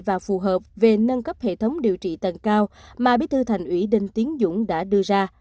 và phù hợp về nâng cấp hệ thống điều trị tầng cao mà bí thư thành ủy đinh tiến dũng đã đưa ra